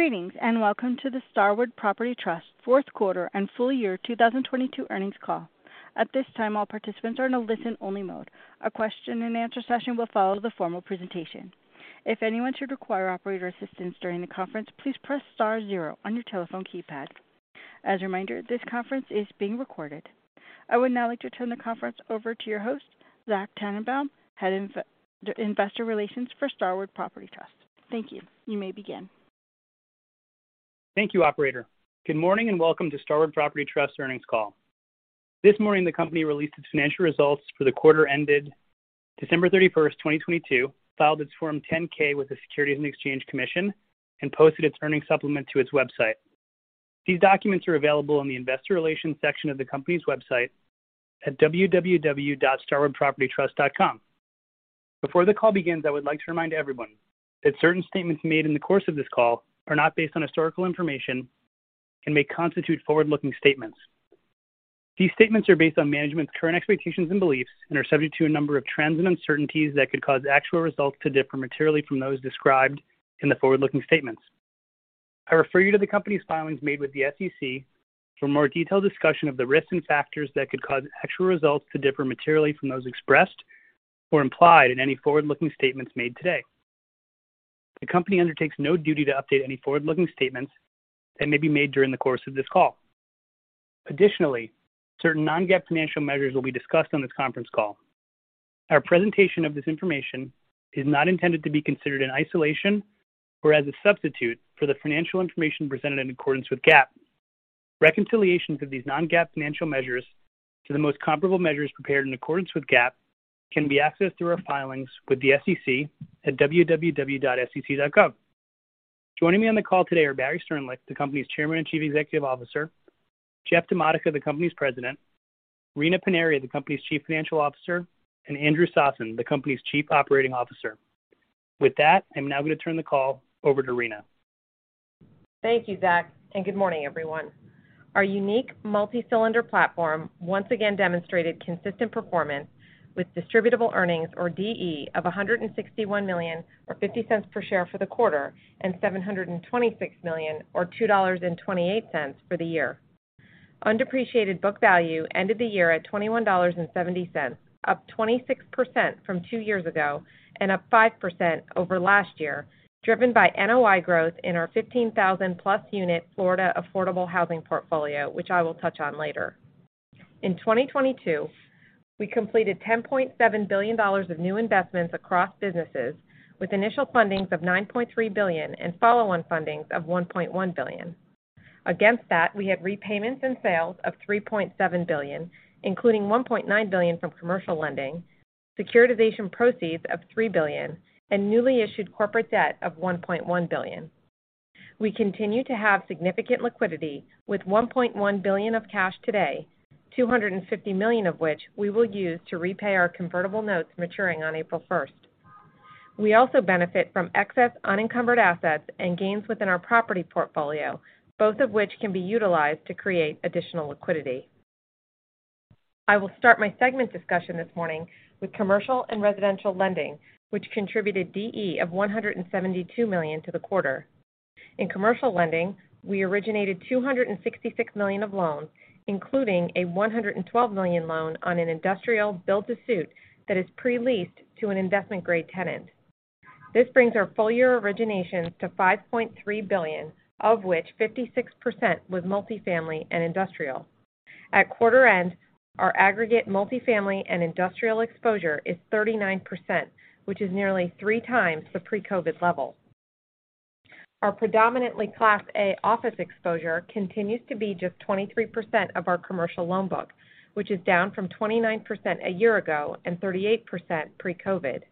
Greetings, welcome to the Starwood Property Trust Fourth Quarter and Full year 2022 Earnings Call. At this time, all participants are in a listen-only mode. A question and answer session will follow the formal presentation. If anyone should require operator assistance during the conference, please press star zero on your telephone keypad. As a reminder, this conference is being recorded. I would now like to turn the conference over to your host, Zach Tanenbaum, Head of Investor Relations for Starwood Property Trust. Thank you. You may begin. Thank you, operator. Good morning, and welcome to Starwood Property Trust earnings call. This morning, the company released its financial results for the quarter ended December 31, 2022, filed its Form 10-K with the Securities and Exchange Commission and posted its earnings supplement to its website. These documents are available in the investor relations section of the company's website at www.starwoodpropertytrust.com. Before the call begins, I would like to remind everyone that certain statements made in the course of this call are not based on historical information and may constitute forward-looking statements. These statements are based on management's current expectations and beliefs and are subject to a number of trends and uncertainties that could cause actual results to differ materially from those described in the forward-looking statements. I refer you to the company's filings made with the SEC for more detailed discussion of the risks and factors that could cause actual results to differ materially from those expressed or implied in any forward-looking statements made today. The company undertakes no duty to update any forward-looking statements that may be made during the course of this call. Additionally, certain non-GAAP financial measures will be discussed on this conference call. Our presentation of this information is not intended to be considered in isolation or as a substitute for the financial information presented in accordance with GAAP. Reconciliations of these non-GAAP financial measures to the most comparable measures prepared in accordance with GAAP can be accessed through our filings with the SEC at www.sec.gov. Joining me on the call today are Barry Sternlicht, the company's chairman and chief executive officer, Jeff DiModica, the company's president, Rina Paniry, the company's chief financial officer, and Andrew Sossen, the company's chief operating officer. With that, I'm now going to turn the call over to Rina. Thank you, Zach, and good morning, everyone. Our unique multi-cylinder platform once again demonstrated consistent performance with distributable earnings or DE of $161 million or $0.50 per share for the quarter and $726 million or $2.28 for the year. Undepreciated book value ended the year at $21.70, up 26% from two years ago and up 5% over last year, driven by NOI growth in our 15,000+ unit Florida affordable housing portfolio, which I will touch on later. In 2022, we completed $10.7 billion of new investments across businesses with initial fundings of $9.3 billion and follow-on fundings of $1.1 billion. Against that, we had repayments and sales of $3.7 billion, including $1.9 billion from commercial lending, securitization proceeds of $3 billion, and newly issued corporate debt of $1.1 billion. We continue to have significant liquidity with $1.1 billion of cash today, $250 million of which we will use to repay our convertible notes maturing on April 1st. We also benefit from excess unencumbered assets and gains within our property portfolio, both of which can be utilized to create additional liquidity. I will start my segment discussion this morning with commercial and residential lending, which contributed DE of $172 million to the quarter. In commercial lending, we originated $266 million of loans, including a $112 million loan on an industrial build to suit that is pre-leased to an investment-grade tenant. This brings our full-year originations to $5.3 billion, of which 56% was multifamily and industrial. At quarter end, our aggregate multifamily and industrial exposure is 39%, which is nearly 3 times the pre-COVID level. Our predominantly Class A office exposure continues to be just 23% of our commercial loan book, which is down from 29% a year ago and 38% pre-COVID.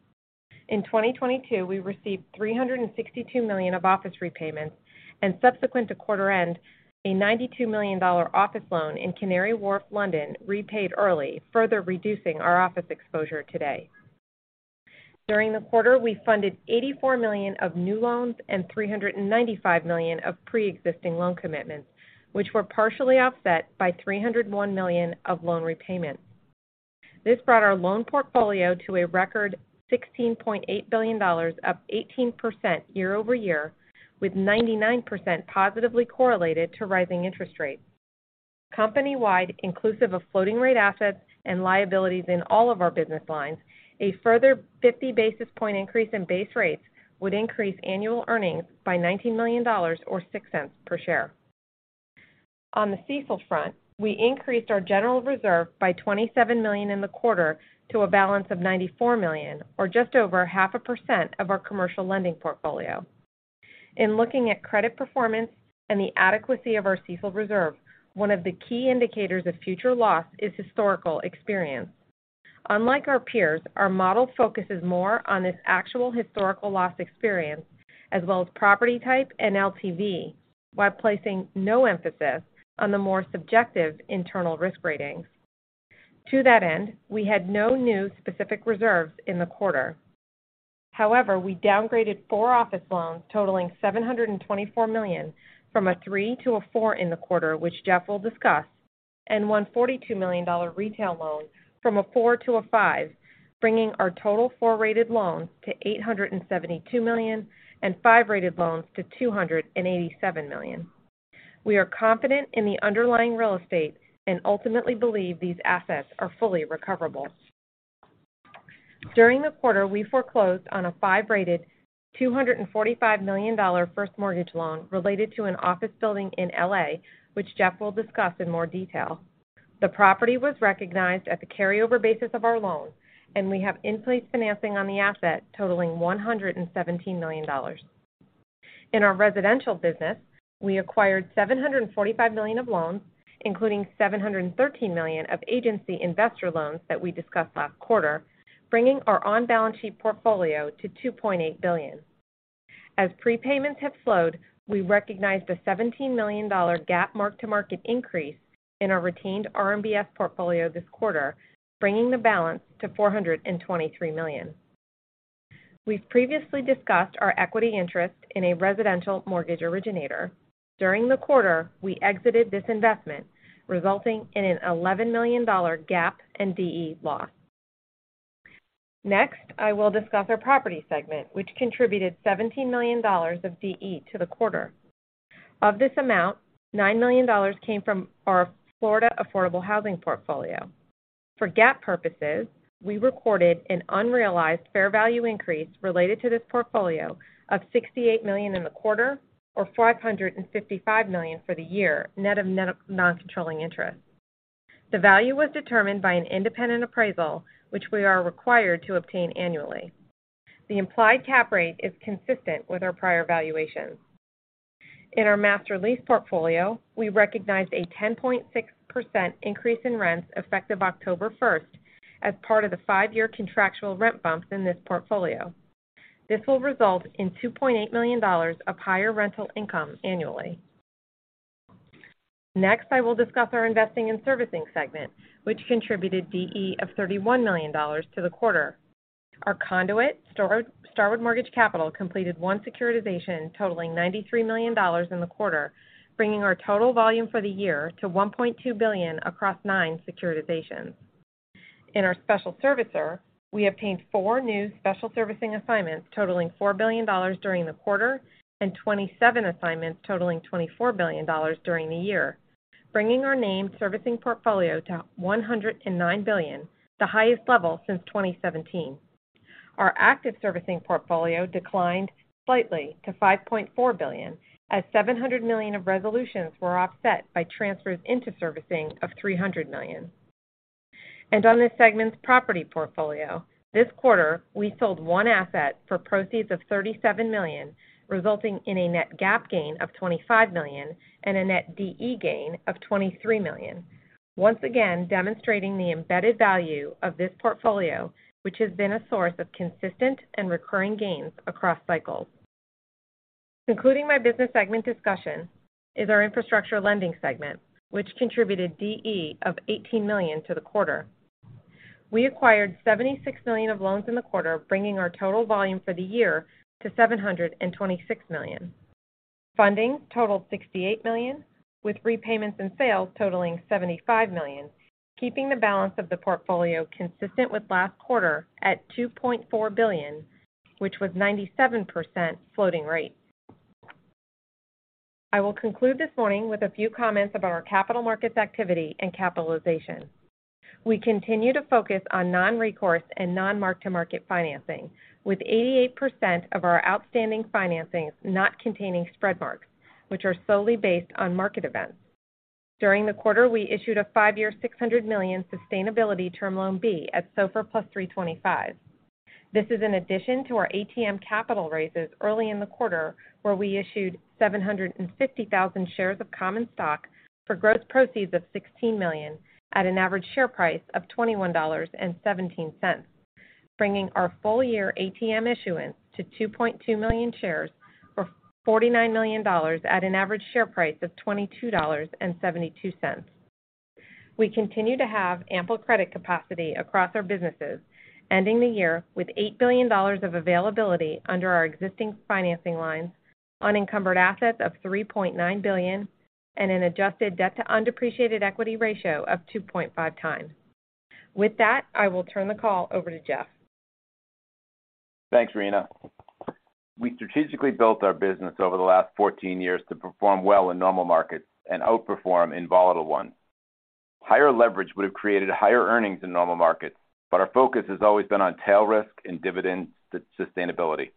In 2022, we received $362 million of office repayments, and subsequent to quarter end, a $92 million office loan in Canary Wharf, London, repaid early, further reducing our office exposure today. During the quarter, we funded $84 million of new loans and $395 million of pre-existing loan commitments, which were partially offset by $301 million of loan repayments. This brought our loan portfolio to a record $16.8 billion, up 18% year-over-year, with 99% positively correlated to rising interest rates. Company-wide, inclusive of floating rate assets and liabilities in all of our business lines, a further 50 basis point increase in base rates would increase annual earnings by $19 million or $0.06 per share. On the CECL front, we increased our general reserve by $27 million in the quarter to a balance of $94 million or just over half a percent of our commercial lending portfolio. In looking at credit performance and the adequacy of our CECL reserve, one of the key indicators of future loss is historical experience. Unlike our peers, our model focuses more on its actual historical loss experience as well as property type and LTV, while placing no emphasis on the more subjective internal risk ratings. To that end, we had no new specific reserves in the quarter. However, we downgraded 4 office loans totaling $724 million from a 3 to a 4 in the quarter, which Jeff will discuss. One $142 million retail loan from a 4 to a 5, bringing our total 4-rated loans to $872 million and 5-rated loans to $287 million. We are confident in the underlying real estate and ultimately believe these assets are fully recoverable. During the quarter, we foreclosed on a 5-rated $245 million first mortgage loan related to an office building in L.A., which Jeff will discuss in more detail. The property was recognized at the carryover basis of our loan, and we have in-place financing on the asset totaling $117 million. In our residential business, we acquired $745 million of loans, including $713 million of agency investor loans that we discussed last quarter, bringing our on-balance sheet portfolio to $2.8 billion. As prepayments have flowed, we recognized a $17 million GAAP mark-to-market increase in our retained RMBS portfolio this quarter, bringing the balance to $423 million. We've previously discussed our equity interest in a residential mortgage originator. During the quarter, we exited this investment, resulting in an $11 million GAAP and DE loss. Next, I will discuss our property segment, which contributed $17 million of DE to the quarter. Of this amount, $9 million came from our Florida affordable housing portfolio. For GAAP purposes, we recorded an unrealized fair value increase related to this portfolio of $68 million in the quarter or $555 million for the year, net of noncontrolling interest. The value was determined by an independent appraisal, which we are required to obtain annually. The implied cap rate is consistent with our prior valuations. In our master lease portfolio, we recognized a 10.6% increase in rents effective October first as part of the five-year contractual rent bump in this portfolio. This will result in $2.8 million of higher rental income annually. Next, I will discuss our investing and servicing segment, which contributed DE of $31 million to the quarter. Our conduit, Starwood Mortgage Capital, completed 1 securitization totaling $93 million in the quarter, bringing our total volume for the year to $1.2 billion across 9 securitizations. In our special servicer, we obtained 4 new special servicing assignments totaling $4 billion during the quarter and 27 assignments totaling $24 billion during the year, bringing our named servicing portfolio to $109 billion, the highest level since 2017. Our active servicing portfolio declined slightly to $5.4 billion as $700 million of resolutions were offset by transfers into servicing of $300 million. On this segment's property portfolio, this quarter we sold one asset for proceeds of $37 million, resulting in a net GAAP gain of $25 million and a net DE gain of $23 million, once again demonstrating the embedded value of this portfolio, which has been a source of consistent and recurring gains across cycles. Concluding my business segment discussion is our infrastructure lending segment, which contributed DE of $18 million to the quarter. We acquired $76 million of loans in the quarter, bringing our total volume for the year to $726 million. Funding totaled $68 million, with repayments and sales totaling $75 million, keeping the balance of the portfolio consistent with last quarter at $2.4 billion, which was 97% floating rate. I will conclude this morning with a few comments about our capital markets activity and capitalization. We continue to focus on non-recourse and non-mark-to-market financing, with 88% of our outstanding financings not containing spread marks, which are solely based on market events. During the quarter, we issued a 5-year $600 million sustainability Term Loan B at SOFR plus 325. This is in addition to our ATM capital raises early in the quarter, where we issued 750,000 shares of common stock for gross proceeds of $16 million at an average share price of $21.17, bringing our full year ATM issuance to 2.2 million shares for $49 million at an average share price of $22.72. We continue to have ample credit capacity across our businesses, ending the year with $8 billion of availability under our existing financing lines, unencumbered assets of $3.9 billion, and an adjusted debt-to-undepreciated equity ratio of 2.5 times. With that, I will turn the call over to Jeff. Thanks, Rina. We strategically built our business over the last 14 years to perform well in normal markets and outperform in volatile ones. Higher leverage would have created higher earnings in normal markets, but our focus has always been on tail risk and dividend sustainability.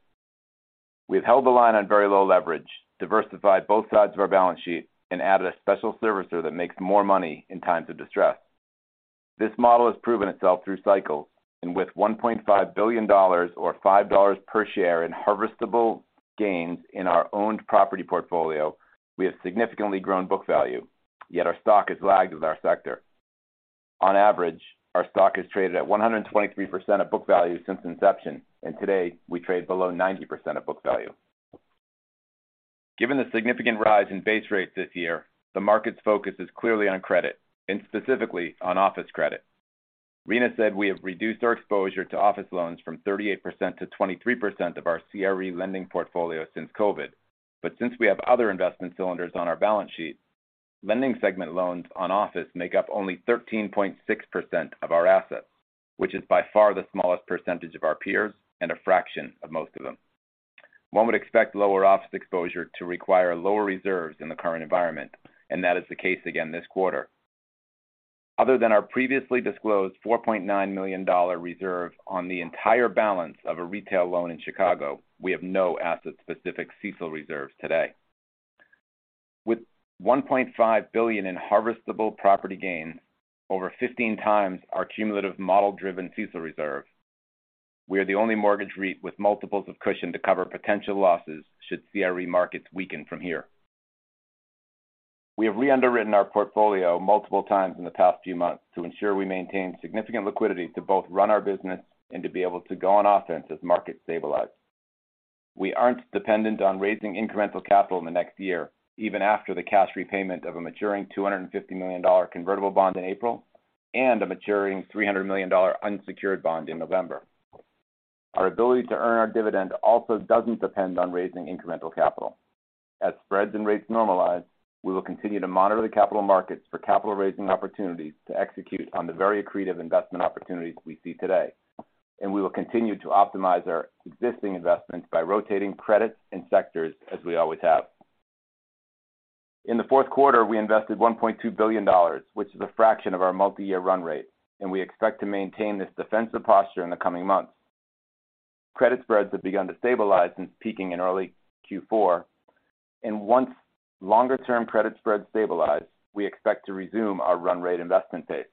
We've held the line on very low leverage, diversified both sides of our balance sheet, and added a special servicer that makes more money in times of distress. This model has proven itself through cycles, and with $1.5 billion or $5 per share in harvestable gains in our owned property portfolio, we have significantly grown book value, yet our stock has lagged with our sector. On average, our stock has traded at 123% of book value since inception, and today we trade below 90% of book value. Given the significant rise in base rates this year, the market's focus is clearly on credit and specifically on office credit. Rina said we have reduced our exposure to office loans from 38% to 23% of our CRE lending portfolio since COVID. Since we have other investment cylinders on our balance sheet, lending segment loans on office make up only 13.6% of our assets, which is by far the smallest percentage of our peers and a fraction of most of them. One would expect lower office exposure to require lower reserves in the current environment, and that is the case again this quarter. Other than our previously disclosed $4.9 million reserve on the entire balance of a retail loan in Chicago, we have no asset-specific CECL reserves today. With $1.5 billion in harvestable property gains over 15 times our cumulative model-driven CECL reserve, we are the only mortgage REIT with multiples of cushion to cover potential losses should CRE markets weaken from here. We have re-underwritten our portfolio multiple times in the past few months to ensure we maintain significant liquidity to both run our business and to be able to go on offense as markets stabilize. We aren't dependent on raising incremental capital in the next year, even after the cash repayment of a maturing $250 million convertible bond in April and a maturing $300 million unsecured bond in November. Our ability to earn our dividend also doesn't depend on raising incremental capital. As spreads and rates normalize, we will continue to monitor the capital markets for capital raising opportunities to execute on the very accretive investment opportunities we see today, and we will continue to optimize our existing investments by rotating credits and sectors as we always have. In the fourth quarter, we invested $1.2 billion, which is a fraction of our multi-year run rate, and we expect to maintain this defensive posture in the coming months. Credit spreads have begun to stabilize since peaking in early Q4. Once longer-term credit spreads stabilize, we expect to resume our run rate investment pace.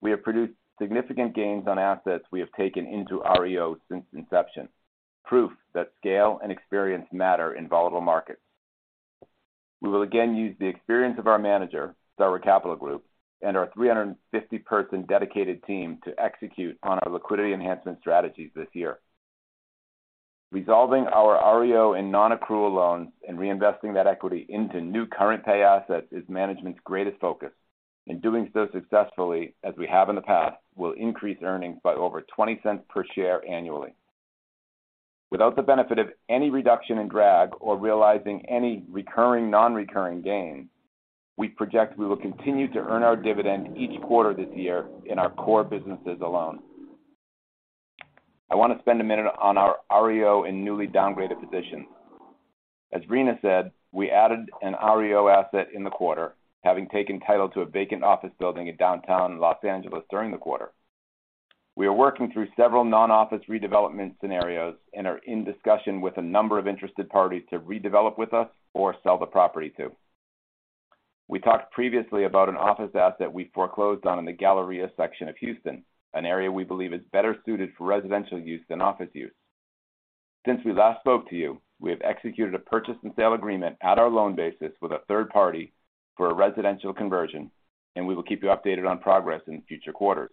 We have produced significant gains on assets we have taken into REO since inception, proof that scale and experience matter in volatile markets. We will again use the experience of our manager, Starwood Capital Group, and our 350 person dedicated team to execute on our liquidity enhancement strategies this year. Resolving our REO and non-accrual loans and reinvesting that equity into new current pay assets is management's greatest focus. In doing so successfully, as we have in the past, we'll increase earnings by over $0.20 per share annually. Without the benefit of any reduction in drag or realizing any recurring non-recurring gains, we project we will continue to earn our dividend each quarter this year in our core businesses alone. I want to spend a minute on our REO and newly downgraded positions. As Rina said, we added an REO asset in the quarter, having taken title to a vacant office building in downtown Los Angeles during the quarter. We are working through several non-office redevelopment scenarios and are in discussion with a number of interested parties to redevelop with us or sell the property to. We talked previously about an office asset we foreclosed on in the Galleria section of Houston, an area we believe is better suited for residential use than office use. Since we last spoke to you, we have executed a purchase and sale agreement at our loan basis with a third party for a residential conversion, and we will keep you updated on progress in future quarters.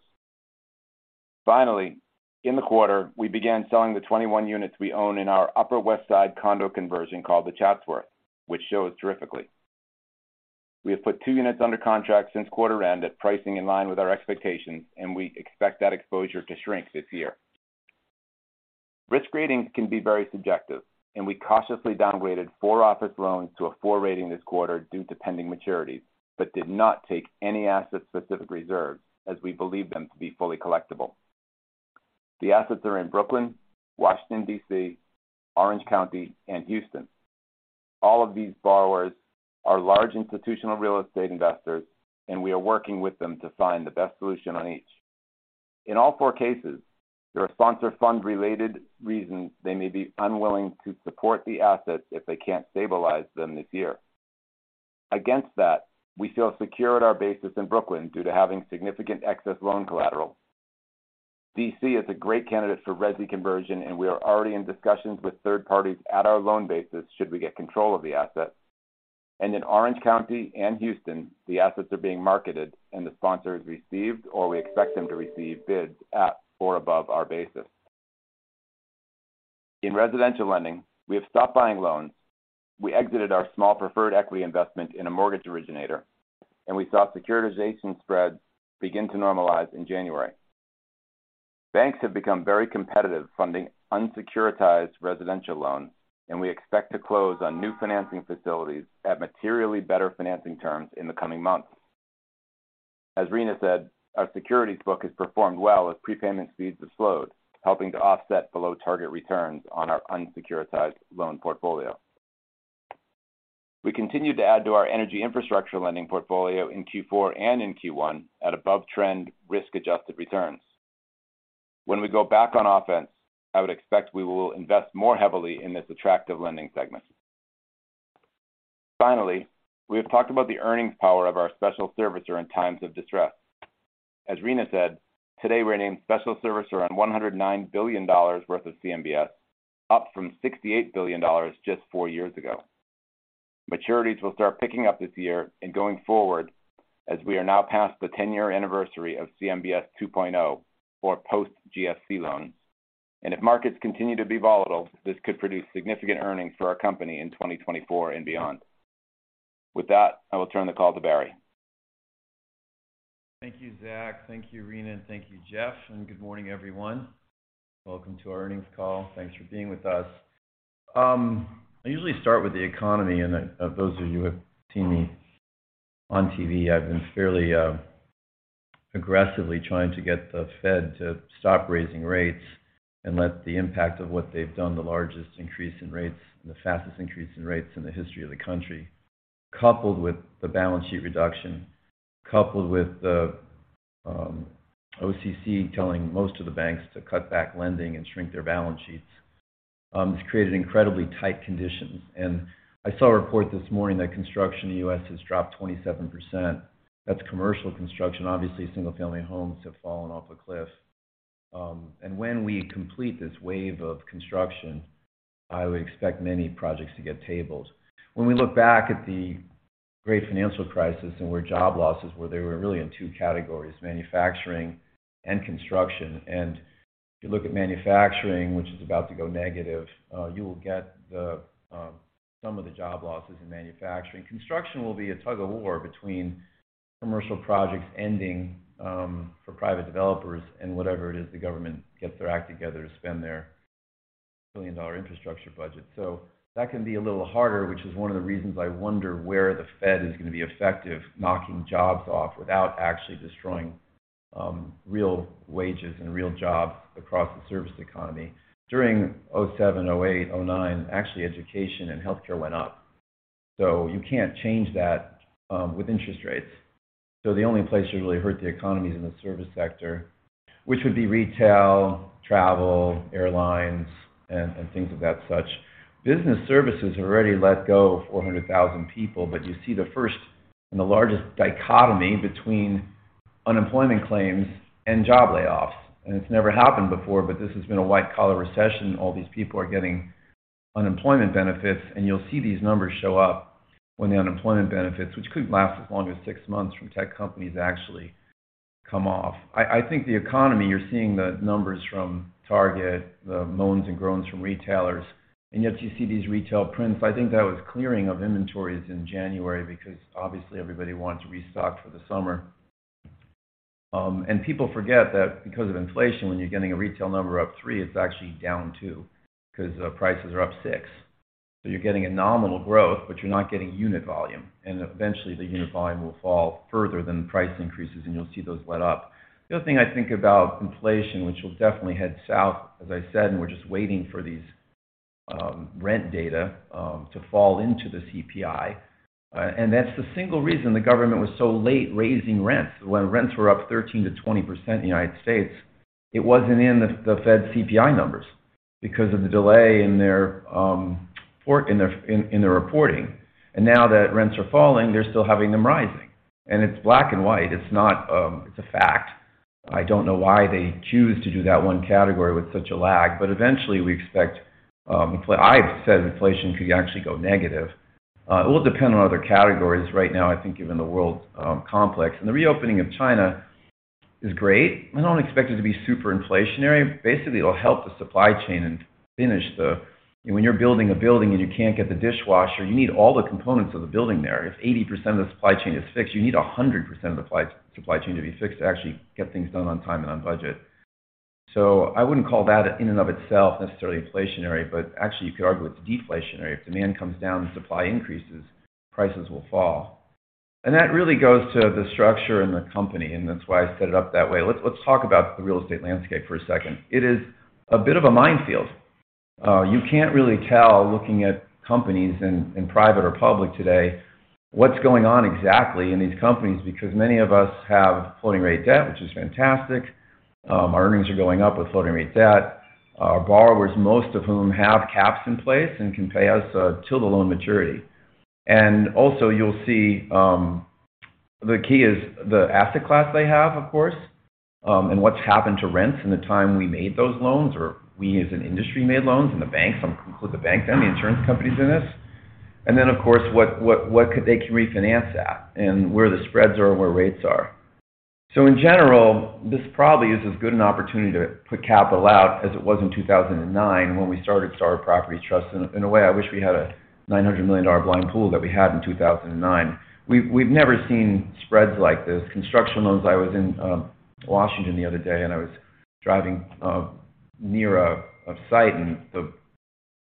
Finally, in the quarter, we began selling the 21 units we own in our Upper West Side condo conversion called The Chatsworth, which shows terrifically. We have put two units under contract since quarter end at pricing in line with our expectations, and we expect that exposure to shrink this year. Risk ratings can be very subjective, and we cautiously downgraded four office loans to a 4 rating this quarter due to pending maturities, but did not take any asset-specific reserves as we believe them to be fully collectible. The assets are in Brooklyn, Washington, D.C., Orange County, and Houston. All of these borrowers are large institutional real estate investors, and we are working with them to find the best solution on each. In all four cases, there are sponsor fund-related reasons they may be unwilling to support the assets if they can't stabilize them this year. Against that, we feel secure at our basis in Brooklyn due to having significant excess loan collateral. D.C. is a great candidate for resi conversion, and we are already in discussions with third parties at our loan basis should we get control of the assets. In Orange County and Houston, the assets are being marketed and the sponsor has received, or we expect them to receive bids at or above our basis. In residential lending, we have stopped buying loans. We exited our small preferred equity investment in a mortgage originator, and we saw securitization spreads begin to normalize in January. Banks have become very competitive funding unsecuritized residential loans, and we expect to close on new financing facilities at materially better financing terms in the coming months. As Rina said, our securities book has performed well as prepayment speeds have slowed, helping to offset below-target returns on our unsecuritized loan portfolio. We continued to add to our energy infrastructure lending portfolio in Q4 and in Q1 at above-trend risk-adjusted returns. When we go back on offense, I would expect we will invest more heavily in this attractive lending segment. Finally, we have talked about the earnings power of our special servicer in times of distress. As Rina said, today we're named special servicer on $109 billion worth of CMBS, up from $68 billion just 4 years ago. Maturities will start picking up this year and going forward as we are now past the 10-year anniversary of CMBS 2.0 or post GFC loans. If markets continue to be volatile, this could produce significant earnings for our company in 2024 and beyond. With that, I will turn the call to Barry. Thank you, Zach. Thank you, Rina, thank you, Jeff, good morning, everyone. Welcome to our earnings call. Thanks for being with us. I usually start with the economy, those of you who have seen me on TV, I've been fairly aggressively trying to get the Fed to stop raising rates and let the impact of what they've done, the largest increase in rates and the fastest increase in rates in the history of the country, coupled with the balance sheet reduction, coupled with the OCC telling most of the banks to cut back lending and shrink their balance sheets, has created incredibly tight conditions. I saw a report this morning that construction in the U.S. has dropped 27%. That's commercial construction. Obviously, single-family homes have fallen off a cliff. When we complete this wave of construction, I would expect many projects to get tabled. When we look back at the great financial crisis and where job losses were, they were really in 2 categories, manufacturing and construction. If you look at manufacturing, which is about to go negative, you will get the some of the job losses in manufacturing. Construction will be a tug-of-war between commercial projects ending for private developers and whatever it is the government gets their act together to spend their billion-dollar infrastructure budget. That can be a little harder, which is one of the reasons I wonder where the Fed is going to be effective knocking jobs off without actually destroying real wages and real jobs across the service economy. During 2007, 2008, 2009, actually education and healthcare went up. You can't change that with interest rates. The only place you really hurt the economy is in the service sector, which would be retail, travel, airlines, and things of that such. Business services already let go of 400,000 people, but you see the first and the largest dichotomy between unemployment claims and job layoffs. It's never happened before, but this has been a white-collar recession. All these people are getting unemployment benefits, and you'll see these numbers show up when the unemployment benefits, which could last as long as 6 months from tech companies actually come off. I think the economy, you're seeing the numbers from Target, the moans and groans from retailers, and yet you see these retail prints. I think that was clearing of inventories in January because obviously everybody wants to restock for the summer. People forget that because of inflation, when you're getting a retail number up 3, it's actually down 2 because prices are up 6. You're getting a nominal growth, but you're not getting unit volume. Eventually, the unit volume will fall further than price increases, and you'll see those let up. The other thing I think about inflation, which will definitely head south, as I said, and we're just waiting for these rent data to fall into the CPI. That's the single reason the government was so late raising rents. When rents were up 13%-20% in the United States, it wasn't in the Fed CPI numbers because of the delay in their reporting. Now that rents are falling, they're still having them rising. It's black and white. It's not. It's a fact. I don't know why they choose to do that one category with such a lag. Eventually, we expect I've said inflation could actually go negative. It will depend on other categories right now, I think, given the world's complex. The reopening of China is great. I don't expect it to be super inflationary. Basically, it'll help the supply chain. When you're building a building and you can't get the dishwasher, you need all the components of the building there. If 80% of the supply chain is fixed, you need 100% of the supply chain to be fixed to actually get things done on time and on budget. I wouldn't call that in and of itself necessarily inflationary, but actually you could argue it's deflationary. If demand comes down, supply increases, prices will fall. That really goes to the structure in the company, and that's why I set it up that way. Let's talk about the real estate landscape for a second. It is a bit of a minefield. You can't really tell looking at companies in private or public today what's going on exactly in these companies, because many of us have floating rate debt, which is fantastic. Our earnings are going up with floating rate debt. Our borrowers, most of whom have caps in place and can pay us, till the loan maturity. Also you'll see, the key is the asset class they have, of course, and what's happened to rents in the time we made those loans, or we as an industry made loans and the banks, some include the bank then the insurance companies in this. Of course, what, what could they can refinance at and where the spreads are and where rates are. In general, this probably is as good an opportunity to put capital out as it was in 2009 when we started Starwood Property Trust. In a, in a way, I wish we had a $900 million blind pool that we had in 2009. We've never seen spreads like this. Construction loans, I was in Washington the other day, and I was driving near a site, and the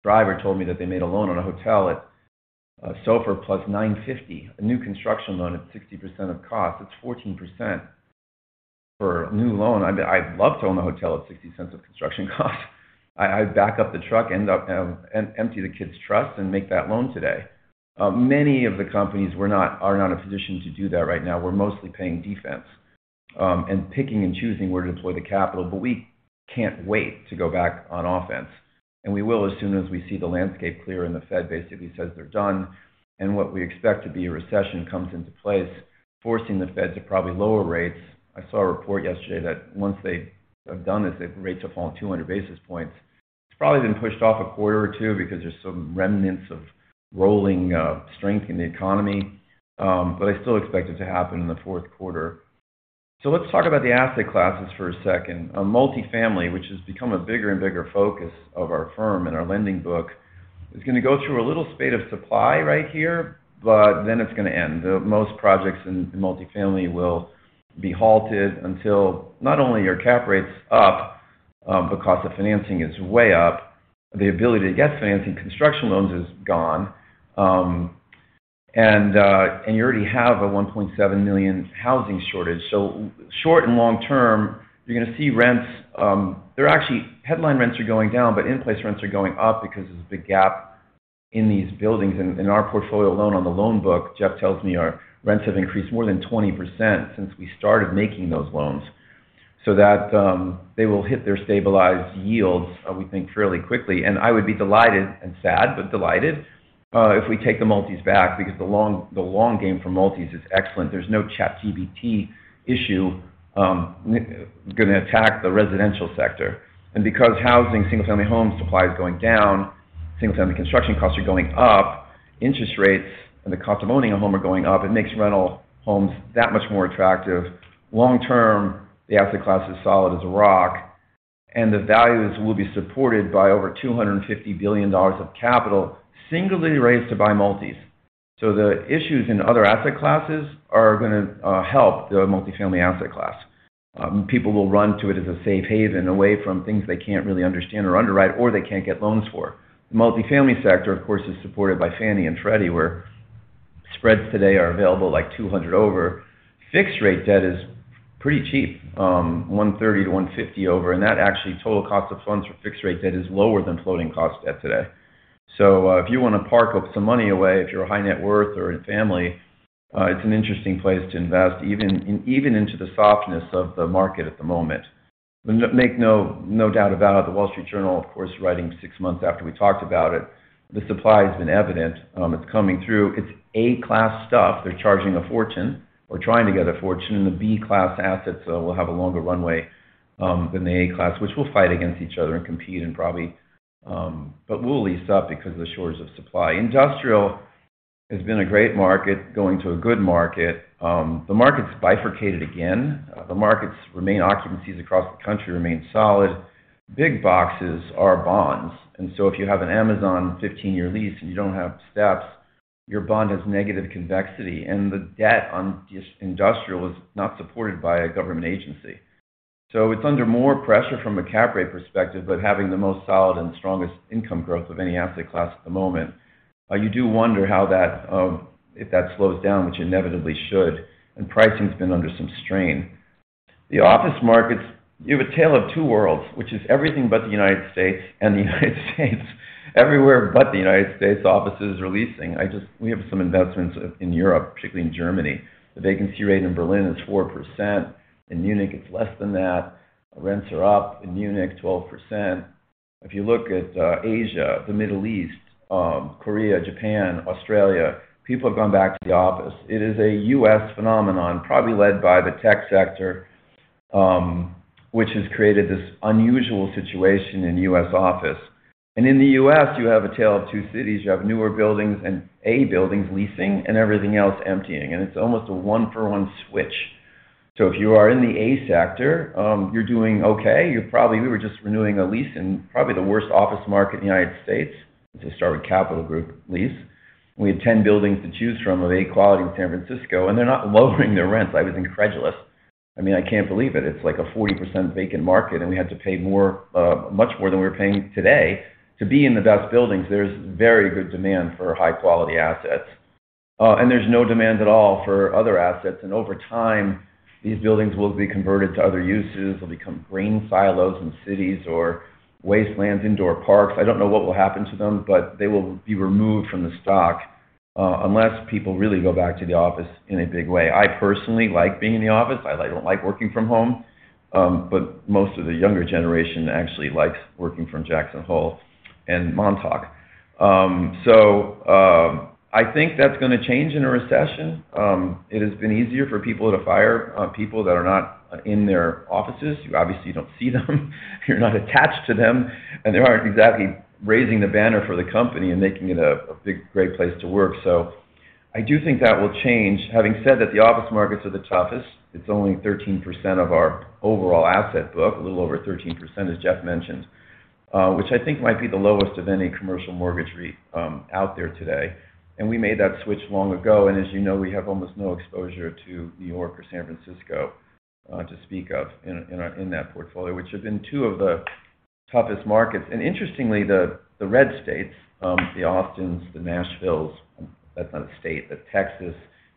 driver told me that they made a loan on a hotel at SOFR plus 950, a new construction loan at 60% of cost. That's 14% for a new loan. I mean, I'd love to own a hotel at 60% of construction cost. I'd back up the truck, end up, empty the kids' trust and make that loan today. Many of the companies are not in a position to do that right now. We're mostly playing defense, and picking and choosing where to deploy the capital, but we can't wait to go back on offense. We will as soon as we see the landscape clear and the Fed basically says they're done, and what we expect to be a recession comes into place, forcing the Fed to probably lower rates. I saw a report yesterday that once they have done this, the rates will fall 200 basis points. It's probably been pushed off a quarter or 2 because there's some remnants of rolling strength in the economy. But I still expect it to happen in the fourth quarter. Let's talk about the asset classes for a second. A multifamily, which has become a bigger and bigger focus of our firm and our lending book, is gonna go through a little spate of supply right here, but then it's gonna end. The most projects in multifamily will be halted until not only are cap rates up, but cost of financing is way up. The ability to get financing construction loans is gone. You already have a 1.7 million housing shortage. Short and long term, you're gonna see rents. Headline rents are going down, but in-place rents are going up because there's a big gap in these buildings. In our portfolio loan on the loan book, Jeff tells me our rents have increased more than 20% since we started making those loans. That, they will hit their stabilized yields, we think fairly quickly. I would be delighted, and sad, but delighted, if we take the multis back because the long game for multis is excellent. There's no ChatGPT issue, gonna attack the residential sector. Because housing, single-family home supply is going down, single-family construction costs are going up, interest rates and the cost of owning a home are going up, it makes rental homes that much more attractive. Long term, the asset class is solid as a rock, and the values will be supported by over $250 billion of capital singly raised to buy multis. The issues in other asset classes are gonna help the multifamily asset class. People will run to it as a safe haven away from things they can't really understand or underwrite or they can't get loans for. The multifamily sector, of course, is supported by Fannie and Freddie, where spreads today are available like 200 over. Fixed rate debt is pretty cheap, 130-150 over, and that actually total cost of funds for fixed rate debt is lower than floating cost debt today. If you wanna park up some money away, if you're a high net worth or in family, it's an interesting place to invest even into the softness of the market at the moment. Make no doubt about it, The Wall Street Journal, of course, writing six months after we talked about it, the supply has been evident. It's coming through. It's A-class stuff. They're charging a fortune or trying to get a fortune, and the B-class assets will have a longer runway than the A-class, which will fight against each other and compete and probably. We'll lease up because of the shores of supply. Industrial has been a great market going to a good market. The market's bifurcated again. The markets remain occupancies across the country remain solid. Big boxes are bonds. If you have an Amazon 15-year lease and you don't have steps, your bond has negative convexity, and the debt on industrial is not supported by a government agency. It's under more pressure from a cap rate perspective, but having the most solid and strongest income growth of any asset class at the moment. You do wonder how that, if that slows down, which inevitably should, and pricing's been under some strain. The office markets, you have a tale of two worlds, which is everything but the United States and the United States. Everywhere but the United States, offices are leasing. We have some investments in Europe, particularly in Germany. The vacancy rate in Berlin is 4%. In Munich, it's less than that. Rents are up in Munich 12%. If you look at, Asia, the Middle East, Korea, Japan, Australia, people have gone back to the office. It is a U.S. phenomenon, probably led by the tech sector, which has created this unusual situation in U.S. office. In the US, you have a tale of two cities. You have newer buildings and A buildings leasing and everything else emptying. It's almost a one-for-one switch. If you are in the A sector, you're doing okay. You're probably. We were just renewing a lease in probably the worst office market in the United States. It's a Starwood Capital Group lease. We had 10 buildings to choose from of A quality in San Francisco, and they're not lowering their rents. I was incredulous. I mean, I can't believe it. It's like a 40% vacant market, and we had to pay more, much more than we're paying today to be in the best buildings. There's very good demand for high-quality assets. There's no demand at all for other assets. Over time, these buildings will be converted to other uses. They'll become grain silos in cities or wastelands, indoor parks. I don't know what will happen to them, but they will be removed from the stock unless people really go back to the office in a big way. I personally like being in the office. I don't like working from home. Most of the younger generation actually likes working from Jackson Hole and Montauk. I think that's gonna change in a recession. It has been easier for people to fire people that are not in their offices. You obviously don't see them. You're not attached to them, and they aren't exactly raising the banner for the company and making it a big, great place to work. I do think that will change. Having said that, the office markets are the toughest. It's only 13% of our overall asset book, a little over 13%, as Jeff mentioned, which I think might be the lowest of any commercial mortgage REIT out there today. We made that switch long ago. As you know, we have almost no exposure to New York or San Francisco to speak of in that portfolio, which have been 2 of the toughest markets. Interestingly, the red states, the Austins, the Nashvilles, that's not a state, the Texas,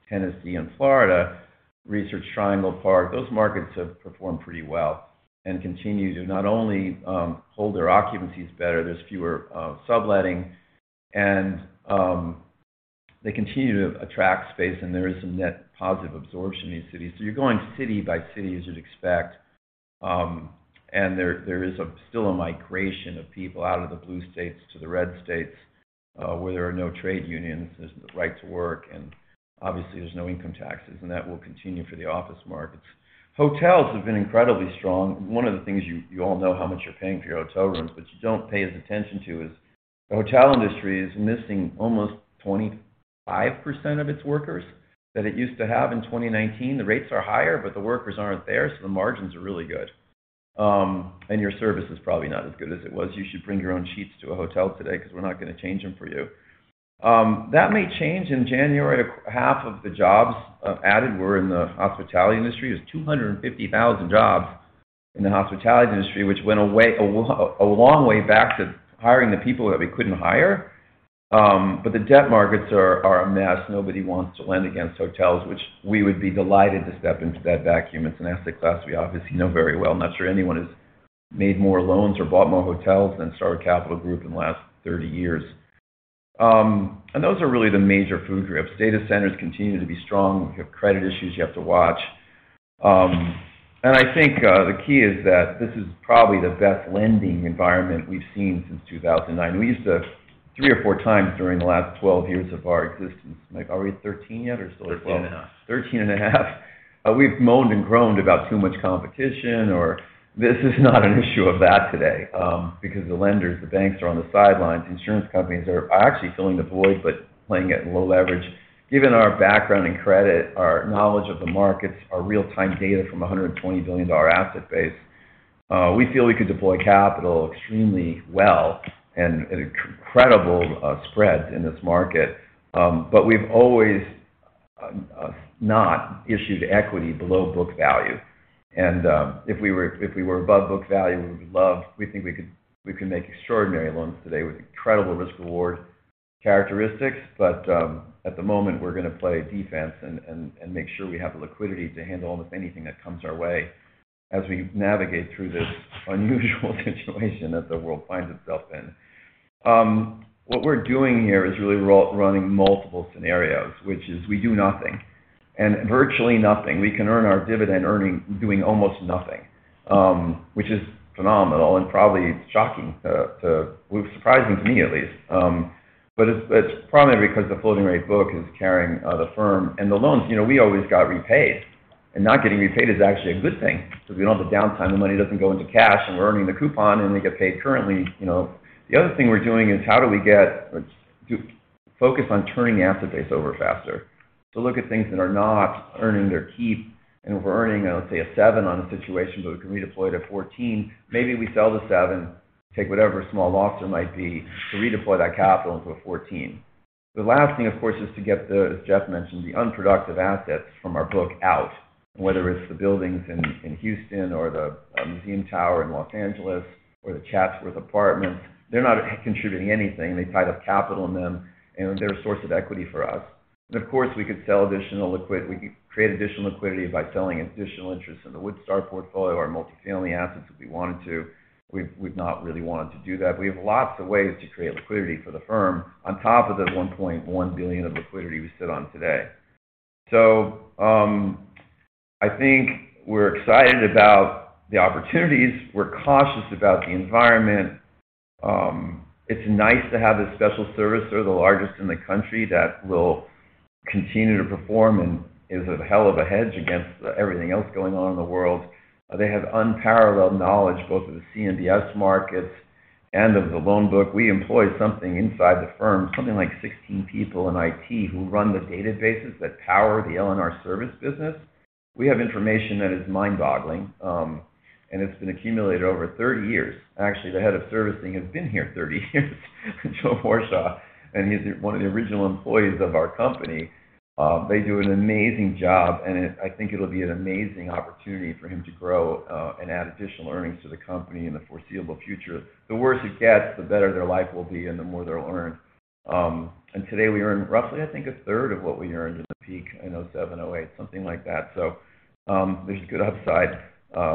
Tennessee, and Florida, Research Triangle Park, those markets have performed pretty well and continue to not only hold their occupancies better, there's fewer subletting, and they continue to attract space, and there is some net positive absorption in these cities. You're going city by city as you'd expect. There is still a migration of people out of the blue states to the red states, where there are no trade unions. There's the right to work, and obviously there's no income taxes. That will continue for the office markets. Hotels have been incredibly strong. One of the things you all know how much you're paying for your hotel rooms, you don't pay as attention to is the hotel industry is missing almost 25% of its workers that it used to have in 2019. The rates are higher. The workers aren't there. The margins are really good. Your service is probably not as good as it was. You should bring your own sheets to a hotel today because we're not going to change them for you. That may change in January. Half of the jobs added were in the hospitality industry. It was 250,000 jobs in the hospitality industry, which went a long way back to hiring the people that we couldn't hire. The debt markets are a mess. Nobody wants to lend against hotels, which we would be delighted to step into that vacuum. It's an asset class we obviously know very well. I'm not sure anyone has made more loans or bought more hotels than Starwood Capital Group in the last 30 years. Those are really the major food groups. Data centers continue to be strong. You have credit issues you have to watch. I think the key is that this is probably the best lending environment we've seen since 2009. We used to, three or four times during the last 12 years of our existence, like are we at 13 yet or still at 12? 13.5. 13.5. We've moaned and groaned about too much competition, or this is not an issue of that today, because the lenders, the banks are on the sidelines. Insurance companies are actually filling the void, but playing at low leverage. Given our background in credit, our knowledge of the markets, our real-time data from a $120 billion asset base, we feel we could deploy capital extremely well and at incredible spreads in this market. We've always not issued equity below book value. If we were above book value, we think we could make extraordinary loans today with incredible risk-reward characteristics. At the moment, we're going to play defense and make sure we have the liquidity to handle almost anything that comes our way as we navigate through this unusual situation that the world finds itself in. What we're doing here is really running multiple scenarios, which is we do nothing, and virtually nothing. We can earn our dividend earning, doing almost nothing, which is phenomenal and probably shocking to surprising to me at least. But it's primarily because the floating rate book is carrying the firm. The loans, you know, we always got repaid. Not getting repaid is actually a good thing because we don't have the downtime, the money doesn't go into cash, and we're earning the coupon, and we get paid currently. You know, the other thing we're doing is how do we get focus on turning the asset base over faster. Look at things that are not earning their keep, and if we're earning, let's say, a 7% on a situation, but we can redeploy it at 14%, maybe we sell the 7%, take whatever small loss there might be to redeploy that capital into a 14%. The last thing, of course, is to get the, as Jeff mentioned, the unproductive assets from our book out, whether it's the buildings in Houston or the Museum Tower in Los Angeles or The Chatsworth Apartments. They're not contributing anything. They tie up capital in them, and they're a source of equity for us. Of course, we could create additional liquidity by selling additional interests in the Woodstar portfolio, our multifamily assets, if we wanted to. We've not really wanted to do that. We have lots of ways to create liquidity for the firm on top of the $1.1 billion of liquidity we sit on today. I think we're excited about the opportunities. We're cautious about the environment. It's nice to have this special servicer, the largest in the country, that will continue to perform and is a hell of a hedge against everything else going on in the world. They have unparalleled knowledge both of the CMBS markets and of the loan book. We employ something inside the firm, something like 16 people in IT who run the databases that power the LNR service business. We have information that is mind-boggling, and it's been accumulated over 30 years. Actually, the head of servicing has been here 30 years, Joe Horshaw, and he's one of the original employees of our company. They do an amazing job, and I think it'll be an amazing opportunity for him to grow and add additional earnings to the company in the foreseeable future. The worse it gets, the better their life will be and the more they'll earn. Today we earn roughly, I think, a third of what we earned in the peak in 2007, 2008, something like that. There's good upside,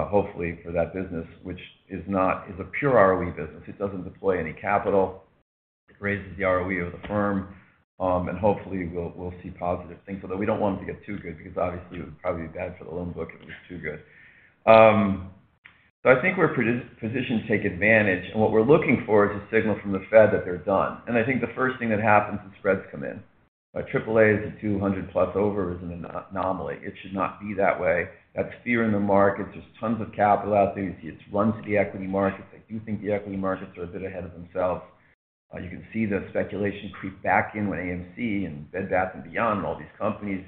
hopefully for that business, which is a pure ROE business. It doesn't deploy any capital. It raises the ROE of the firm. Hopefully, we'll see positive things, although we don't want them to get too good because obviously it would probably be bad for the loan book if it was too good. I think we're positioned to take advantage, and what we're looking for is a signal from the Fed that they're done. I think the first thing that happens is spreads come in. A AAA is a 200+ over is an anomaly. It should not be that way. That's fear in the markets. There's tons of capital out there. You see it run to the equity markets. I do think the equity markets are a bit ahead of themselves. You can see the speculation creep back in with AMC and Bed Bath & Beyond, all these companies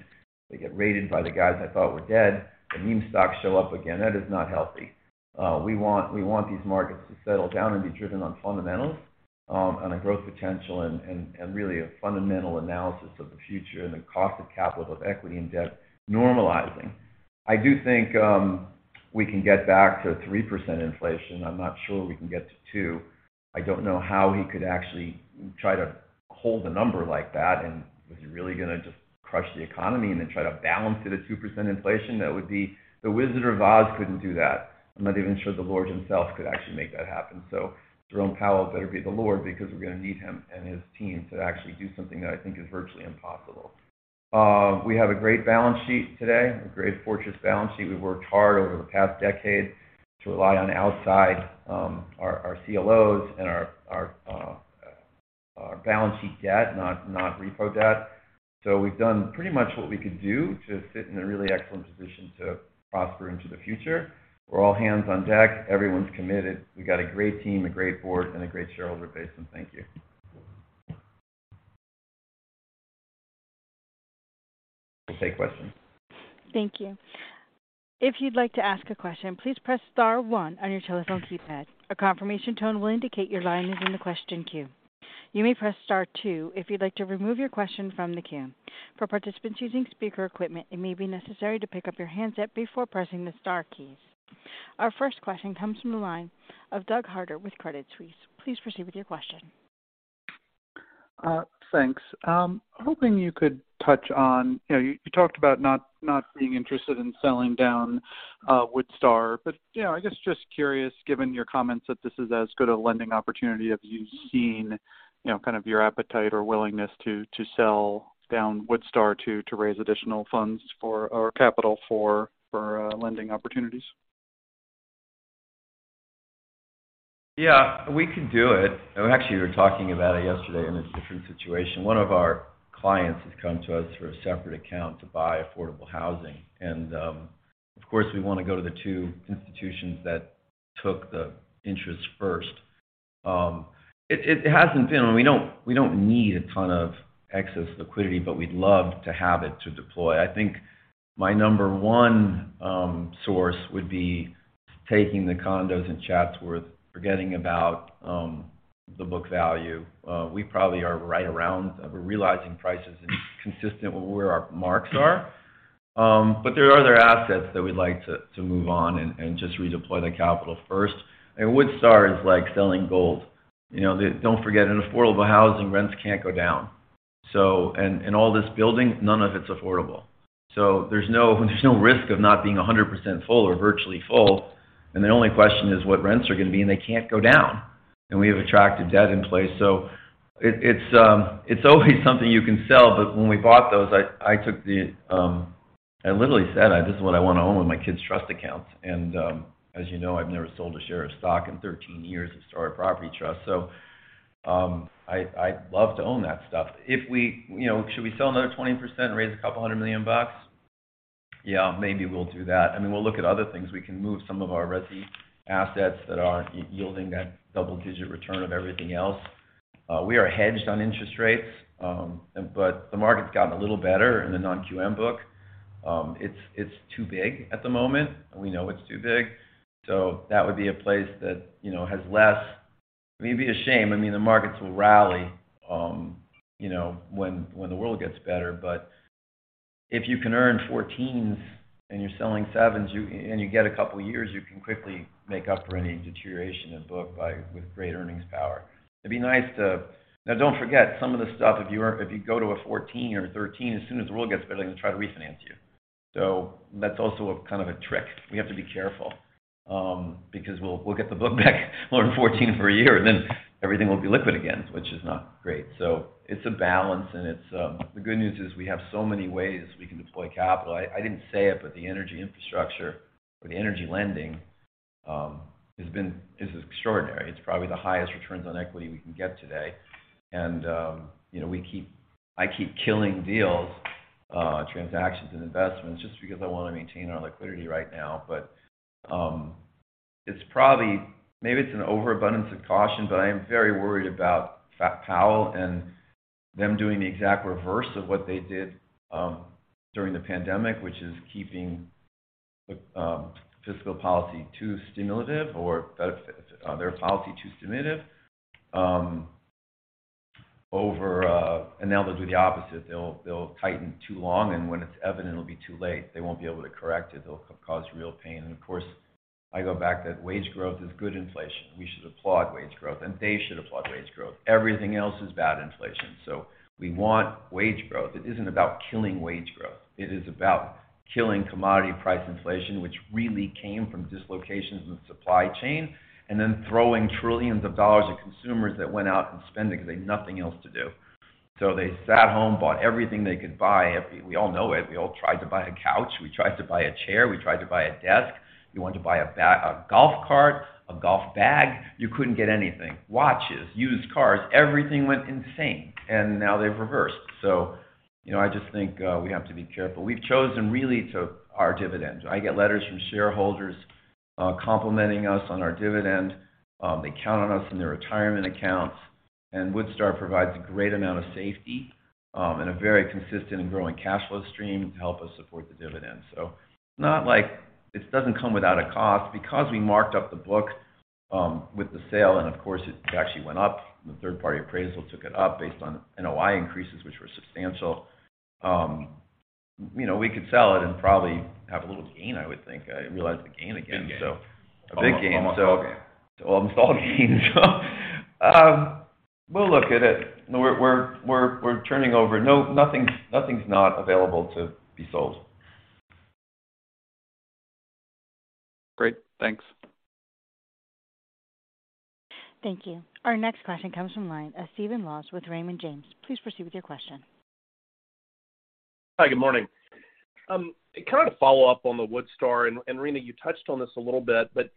that get raided by the guys I thought were dead. The meme stocks show up again. That is not healthy. We want these markets to settle down and be driven on fundamentals, on a growth potential and really a fundamental analysis of the future and the cost of capital of equity and debt normalizing. I do think we can get back to 3% inflation. I'm not sure we can get to 2. I don't know how he could actually try to hold a number like that, and was he really gonna just crush the economy and then try to balance it at 2% inflation? That would be. The Wizard of Oz couldn't do that. I'm not even sure the Lord himself could actually make that happen. Jerome Powell better be the Lord because we're gonna need him and his team to actually do something that I think is virtually impossible. We have a great balance sheet today, a great fortress balance sheet. We've worked hard over the past decade to rely on outside, our CLOs and our balance sheet debt, not repo debt. We've done pretty much what we could do to sit in a really excellent position to prosper into the future. We're all hands on deck. Everyone's committed. We got a great team, a great board, and a great shareholder base. Thank you. We'll take questions. Thank you. If you'd like to ask a question, please press star one on your telephone keypad. A confirmation tone will indicate your line is in the question queue. You may press star two if you'd like to remove your question from the queue. For participants using speaker equipment, it may be necessary to pick up your handset before pressing the star keys. Our first question comes from the line of Doug Harter with Credit Suisse. Please proceed with your question. Thanks. Hoping you could touch on, you know, you talked about not being interested in selling down Woodstar, but you know, I guess just curious, given your comments that this is as good a lending opportunity, have you seen, you know, kind of your appetite or willingness to sell down Woodstar to raise additional funds for, or capital for lending opportunities? Yeah, we could do it. Actually, we were talking about it yesterday in a different situation. One of our clients has come to us for a separate account to buy affordable housing. Of course, we want to go to the two institutions that took the interest first. It hasn't been-- We don't need a ton of excess liquidity, but we'd love to have it to deploy. I think my number one source would be taking the condos in Chatsworth, forgetting about the book value. We probably are right around, we're realizing prices consistent with where our marks are. There are other assets that we'd like to move on and just redeploy the capital first. Woodstar is like selling gold. You know, don't forget, in affordable housing, rents can't go down. All this building, none of it's affordable. There's no risk of not being 100% full or virtually full. The only question is what rents are going to be, and they can't go down. We have attractive debt in place. It's always something you can sell. When we bought those, I took the, I literally said, "This is what I want to own with my kids' trust accounts." As you know, I've never sold a share of stock in 13 years of Starwood Property Trust. I'd love to own that stuff. If we, you know, should we sell another 20% and raise a couple hundred million dollars? Yeah, maybe we'll do that. I mean, we'll look at other things. We can move some of our resi assets that aren't yielding that double-digit return of everything else. We are hedged on interest rates, but the market's gotten a little better in the non-QM book. It's too big at the moment, and we know it's too big. That would be a place that, you know, has less. It may be a shame. I mean, the markets will rally, you know, when the world gets better. If you can earn 14s and you're selling 7s, and you get a couple years, you can quickly make up for any deterioration in book by, with great earnings power. It'd be nice to. Don't forget, some of the stuff, if you go to a 14 or a 13, as soon as the world gets better, they're going to try to refinance you. That's also a kind of a trick. We have to be careful, because we'll get the book back, earn 14 for a year, and then everything will be liquid again, which is not great. It's a balance and it's. The good news is we have so many ways we can deploy capital. I didn't say it, but the energy infrastructure or the energy lending has been, is extraordinary. It's probably the highest returns on equity we can get today. You know, I keep killing deals, transactions and investments just because I want to maintain our liquidity right now. It's probably, maybe it's an overabundance of caution, but I am very worried about Powell and them doing the exact reverse of what they did during the pandemic, which is keeping fiscal policy too stimulative or their policy too stimulative over. Now they'll do the opposite. They'll tighten too long, and when it's evident, it'll be too late. They won't be able to correct it. It'll cause real pain. Of course, I go back that wage growth is good inflation. We should applaud wage growth, and they should applaud wage growth. Everything else is bad inflation. We want wage growth. It isn't about killing wage growth. It is about killing commodity price inflation, which really came from dislocations in the supply chain, and then throwing trillions of dollars at consumers that went out and spending because they had nothing else to do. They sat home, bought everything they could buy. We all know it. We all tried to buy a couch. We tried to buy a chair. We tried to buy a desk. You want to buy a golf cart, a golf bag. You couldn't get anything. Watches, used cars, everything went insane. Now they've reversed. You know, I just think we have to be careful. We've chosen really to our dividend. I get letters from shareholders, complimenting us on our dividend. They count on us in their retirement accounts. WoodStar provides a great amount of safety, and a very consistent and growing cash flow stream to help us support the dividend. Not like, it doesn't come without a cost. We marked up the book, with the sale, and of course, it actually went up. The third-party appraisal took it up based on NOI increases, which were substantial. You know, we could sell it and probably have a little gain, I would think, realize the gain again. Big gain. A big gain. Almost all gain. Almost all gain. We'll look at it. We're turning over. No, nothing's not available to be sold. Great. Thanks. Thank you. Our next question comes from the line of Stephen Laws with Raymond James. Please proceed with your question. Hi. Good morning. kind of follow up on the Woodstar, and Rina, you touched on this a little bit, but,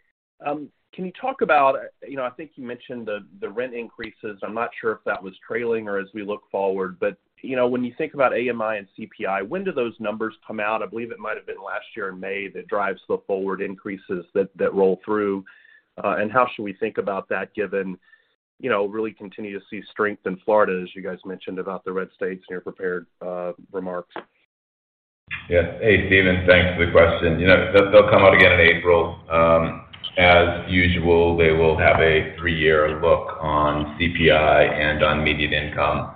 can you talk about, you know, I think you mentioned the rent increases? I'm not sure if that was trailing or as we look forward, but, you know, when you think about AMI and CPI, when do those numbers come out? I believe it might have been last year in May, that drives the forward increases that roll through. How should we think about that given you know, really continue to see strength in Florida, as you guys mentioned about the red states in your prepared remarks? Hey, Stephen. Thanks for the question. You know, they'll come out again in April. As usual, they will have a 3-year look on CPI and on median income.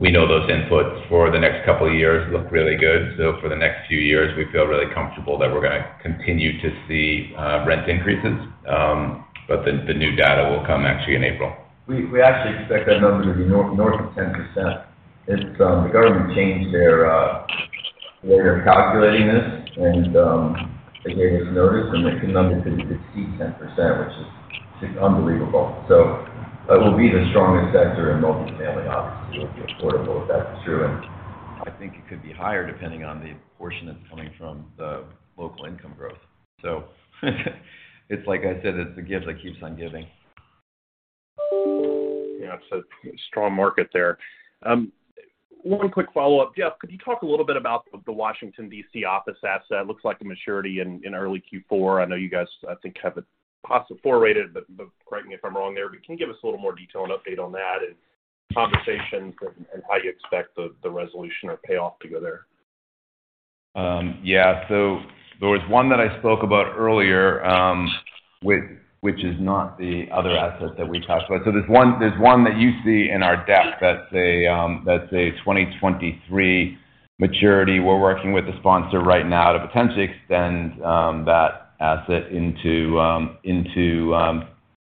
We know those inputs for the next 2 years look really good. For the next few years, we feel really comfortable that we're gonna continue to see rent increases. The new data will come actually in April. We, we actually expect that number to be north of 10%. The government changed their way of calculating this, and they gave us notice, and the numbers could exceed 10%, which is unbelievable. That will be the strongest sector in multifamily, obviously, will be affordable if that's true. I think it could be higher depending on the portion that's coming from the local income growth. It's like I said, it's the gift that keeps on giving. It's a strong market there. One quick follow-up. Jeff, could you talk a little bit about the Washington D.C. office asset? Looks like a maturity in early Q4. I know you guys, I think, have it four-rated, but correct me if I'm wrong there. Can you give us a little more detail and update on that and conversations and how you expect the resolution or payoff to go there? There was one that I spoke about earlier that is not the other asset that we talked about. There's one that you see in our deck that's a 2023 maturity. We're working with a sponsor right now to potentially extend that asset into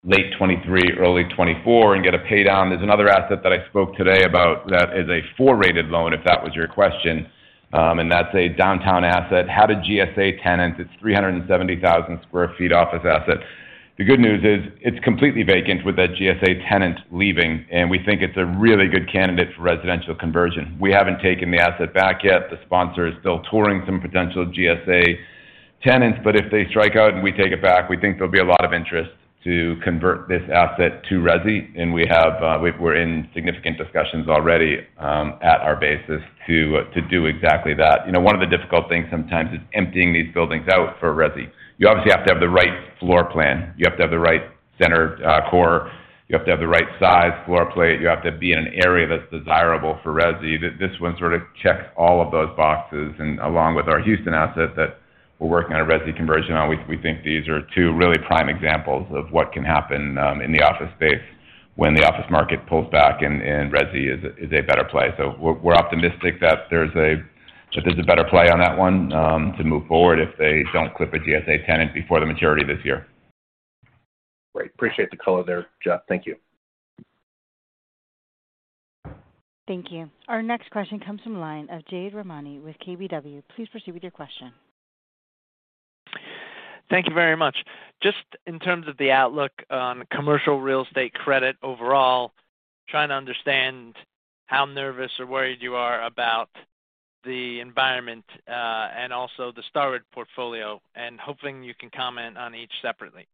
late 2023, early 2024, and get a pay down. There's another asset that I spoke today about that is a 4-rated loan, if that was your question. And that's a downtown asset. Had a GSA tenant. It's 370,000 sq ft office asset. The good news is it's completely vacant with that GSA tenant leaving, and we think it's a really good candidate for residential conversion. We haven't taken the asset back yet. The sponsor is still touring some potential GSA tenants. If they strike out and we take it back, we think there'll be a lot of interest to convert this asset to resi. We're in significant discussions already at our basis to do exactly that. You know, one of the difficult things sometimes is emptying these buildings out for resi. You obviously have to have the right floor plan. You have to have the right center core. You have to have the right size floor plate. You have to be in an area that's desirable for resi. This one sort of checks all of these boxes. Along with our Houston asset that we're working on a resi conversion on, we think these are two really prime examples of what can happen in the office space when the office market pulls back and resi is a better play. We're optimistic that there's a better play on that one to move forward if they don't clip a GSA tenant before the maturity this year. Great. Appreciate the color there, Jeff. Thank you. Thank you. Our next question comes from line of Jade Rahmani with KBW. Please proceed with your question. Thank you very much. Just in terms of the outlook on commercial real estate credit overall, trying to understand how nervous or worried you are about the environment, and also the Starwood portfolio, and hoping you can comment on each separately.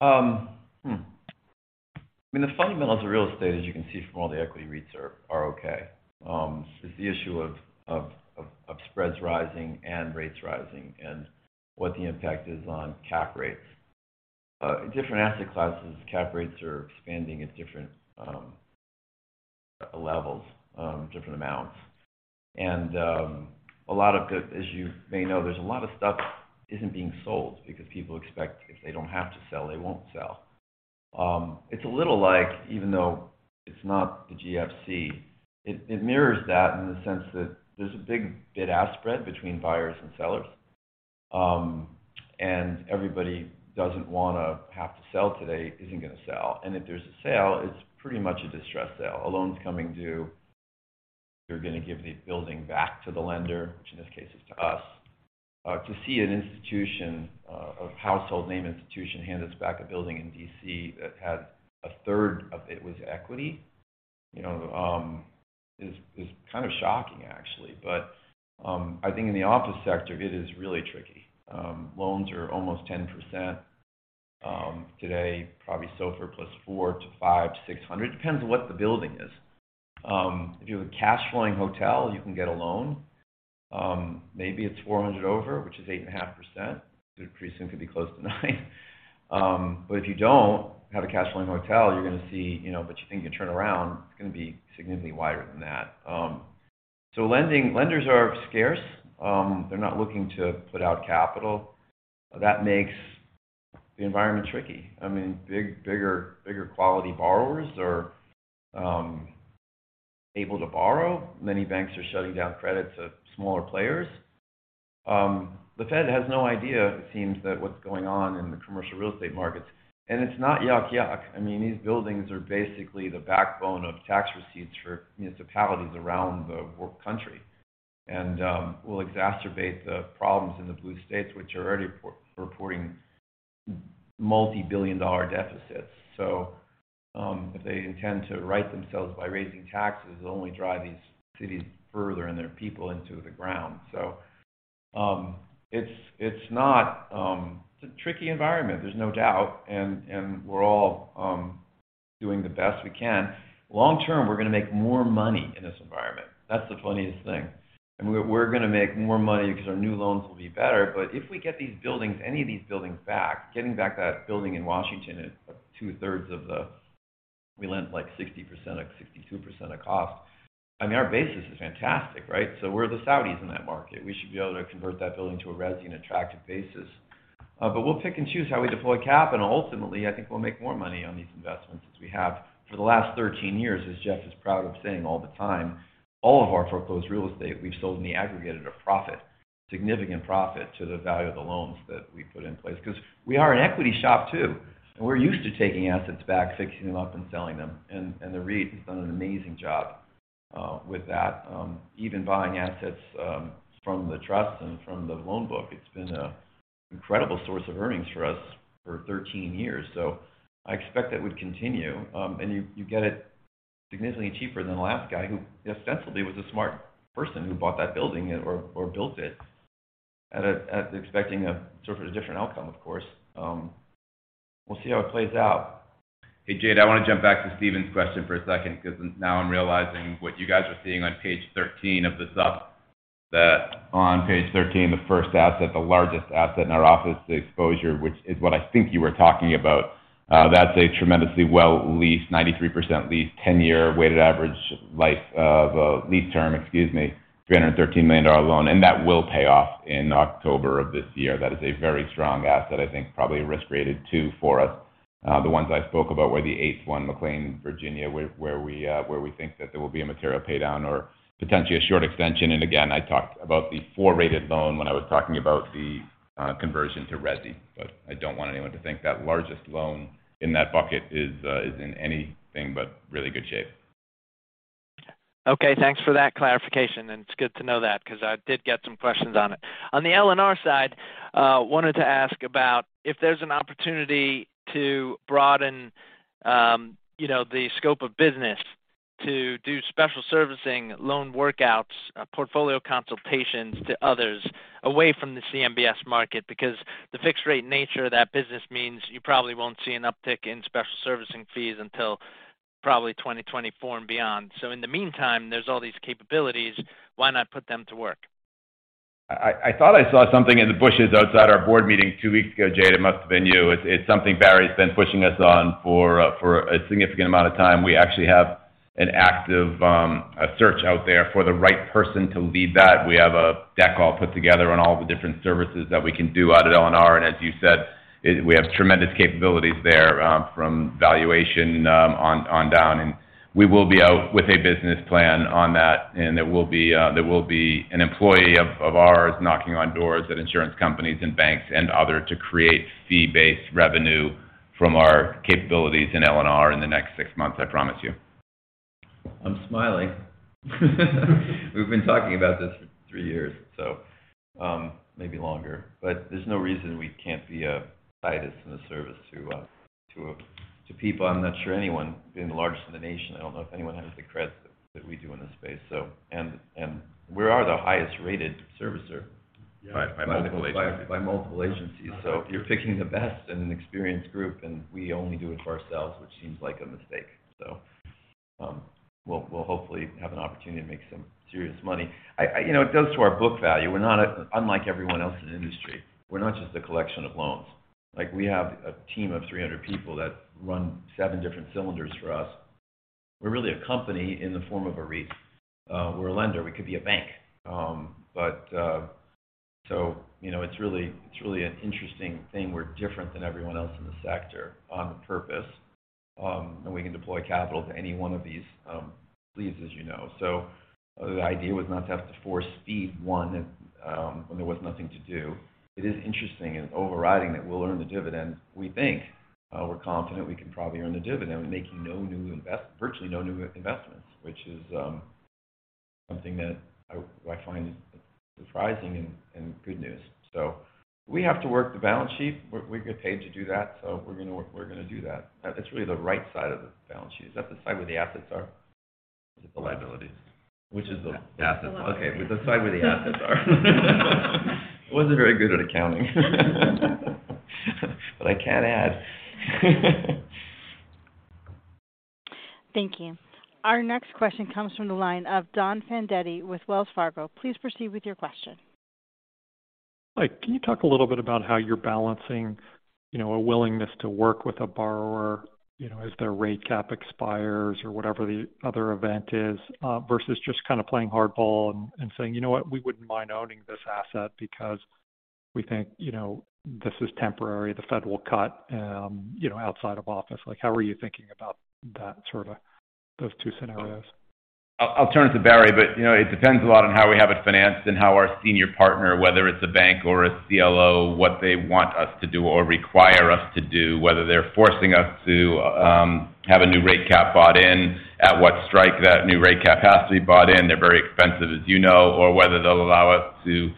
I mean, the fundamentals of real estate, as you can see from all the equity REITs are okay. It's the issue of spreads rising and rates rising and what the impact is on cap rates. Different asset classes, cap rates are expanding at different levels, different amounts. As you may know, there's a lot of stuff isn't being sold because people expect if they don't have to sell, they won't sell. It's a little like, even though it's not the GFC, it mirrors that in the sense that there's a big bid-ask spread between buyers and sellers. Everybody doesn't wanna have to sell today isn't gonna sell. If there's a sale, it's pretty much a distressed sale. A loan's coming due, they're gonna give the building back to the lender, which in this case is to us. To see an institution, a household name institution hand us back a building in D.C. that had a third of it was equity, you know, is kind of shocking, actually. I think in the office sector, it is really tricky. Loans are almost 10%, today, probably SOFR plus 400 to 500 to 600. Depends on what the building is. If you have a cash flowing hotel, you can get a loan. Maybe it's 400 over, which is 8.5%. It pretty soon could be close to 9%. If you don't have a cash flowing hotel, you're gonna see, you know...You think you turn around, it's gonna be significantly wider than that. Lenders are scarce. They're not looking to put out capital. That makes the environment tricky. I mean, big, bigger quality borrowers are able to borrow. Many banks are shutting down credit to smaller players. The Fed has no idea, it seems that what's going on in the commercial real estate markets, and it's not yuck. I mean, these buildings are basically the backbone of tax receipts for municipalities around the country and will exacerbate the problems in the blue states, which are already reporting multi-billion dollar deficits. If they intend to right themselves by raising taxes, it'll only drive these cities further and their people into the ground. It's not. It's a tricky environment. There's no doubt. We're all doing the best we can. Long term, we're gonna make more money in this environment. That's the funniest thing. We're gonna make more money because our new loans will be better. If we get these buildings, any of these buildings back, getting back that building in Washington at, like, two-thirds of the... We lent, like, 60% or 62% of cost. I mean, our basis is fantastic, right? We're the Saudis in that market. We should be able to convert that building to a resi on attractive basis. We'll pick and choose how we deploy cap, and ultimately, I think we'll make more money on these investments as we have for the last 13 years, as Jeff is proud of saying all the time. All of our foreclosed real estate we've sold in the aggregate at a profit, significant profit to the value of the loans that we put in place. 'Cause we are an equity shop too, and we're used to taking assets back, fixing them up, and selling them. The REIT has done an amazing job with that, even buying assets from the trust and from the loan book. It's been a incredible source of earnings for us for 13 years. I expect that would continue. You, you get it significantly cheaper than the last guy who ostensibly was a smart person who bought that building or built it at expecting a sort of a different outcome, of course. We'll see how it plays out. Hey, Jade, I wanna jump back to Stephen's question for a second 'cause now I'm realizing what you guys are seeing on page 13 of the sup that on page 13, the first asset, the largest asset in our office, the exposure, which is what I think you were talking about, that's a tremendously well-leased, 93% leased, 10-year weighted average life of lease term, excuse me, a $313 million loan, and that will pay off in October of this year. That is a very strong asset, I think probably risk rated too for us. The ones I spoke about were the eighth one, McLean, Virginia, where we think that there will be a material pay down or potentially a short extension. Again, I talked about the four-rated loan when I was talking about the conversion to resi. I don't want anyone to think that largest loan in that bucket is in anything but really good shape. Okay. Thanks for that clarification. It's good to know that 'cause I did get some questions on it. On the LNR side, wanted to ask about if there's an opportunity to broaden, you know, the scope of business to do special servicing, loan workouts, portfolio consultations to others away from the CMBS market because the fixed rate nature of that business means you probably won't see an uptick in special servicing fees until probably 2024 and beyond. In the meantime, there's all these capabilities. Why not put them to work? I thought I saw something in the bushes outside our board meeting two weeks ago, Jade. It must have been you. It's something Barry's been pushing us on for a significant amount of time. We actually have an active a search out there for the right person to lead that. We have a deck all put together on all the different services that we can do out at LNR. As you said, we have tremendous capabilities there, from valuation on down. We will be out with a business plan on that. There will be an employee of ours knocking on doors at insurance companies and banks and other to create fee-based revenue from our capabilities in LNR in the next six months, I promise you. I'm smiling. We've been talking about this for three years, so, maybe longer. There's no reason we can't be a scientist in the service to people. I'm not sure anyone being the largest in the nation, I don't know if anyone has the cred that we do in this space. We are the highest rated servicer- By multiple agencies. By multiple agencies. If you're picking the best and an experienced group, and we only do it for ourselves, which seems like a mistake. We'll hopefully have an opportunity to make some serious money. You know, it goes to our book value. We're not unlike everyone else in the industry. We're not just a collection of loans. Like, we have a team of 300 people that run seven different cylinders for us. We're really a company in the form of a REIT. We're a lender. We could be a bank. So, you know, it's really an interesting thing. We're different than everyone else in the sector on purpose. We can deploy capital to any one of these sleeves, as you know. The idea was not to have to force feed one, when there was nothing to do. It is interesting and overriding that we'll earn the dividend, we think. We're confident we can probably earn the dividend making no new virtually no new investments, which is something that I find surprising and good news. We have to work the balance sheet. We get paid to do that. We're gonna work. We're gonna do that. It's really the right side of the balance sheet. Is that the side where the assets are? It's the liabilities. Which is Assets. Okay. The side where the assets are. Wasn't very good at accounting. I can add. Thank you. Our next question comes from the line of Donald Fandetti with Wells Fargo. Please proceed with your question. Like, can you talk a little bit about how you're balancing, you know, a willingness to work with a borrower, you know, as their rate cap expires or whatever the other event is, versus just kind of playing hardball and saying, "You know what? We wouldn't mind owning this asset because we think, you know, this is temporary. The Fed will cut, you know, outside of office." Like, how are you thinking about that sort of, those two scenarios? I'll turn it to Barry, but, you know, it depends a lot on how we have it financed and how our senior partner, whether it's a bank or a CLO, what they want us to do or require us to do, whether they're forcing us to have a new rate cap bought in, at what strike that new rate cap has to be bought in. They're very expensive, as you know, or whether they'll allow us to